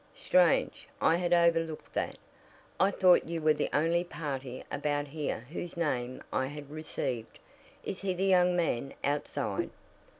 "Strange, I had overlooked that. I thought you were the only party about here whose name I had received. Is he the young man outside?"